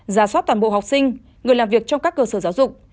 giả soát toàn bộ học sinh người làm việc trong các cơ sở giáo dục